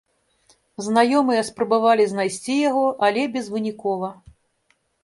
Знаёмыя спрабавалі знайсці яго, але безвынікова.